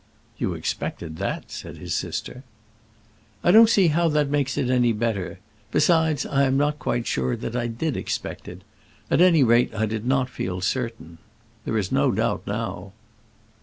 "You expected that," said his sister. "I don't see how that makes it any better; besides, I am not quite sure that I did expect it; at any rate I did not feel certain. There is no doubt now."